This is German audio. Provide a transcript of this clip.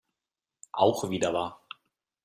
Auch wieder wahr.